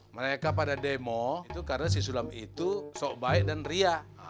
mereka pada demo itu karena si sulam itu sok baik dan riah